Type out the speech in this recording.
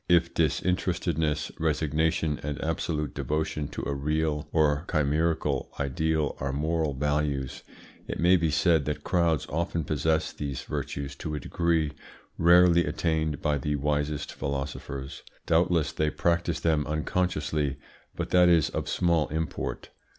If disinterestedness, resignation, and absolute devotion to a real or chimerical ideal are moral virtues, it may be said that crowds often possess these virtues to a degree rarely attained by the wisest philosophers. Doubtless they practice them unconsciously, but that is of small import.